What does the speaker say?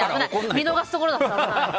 見逃すところだった。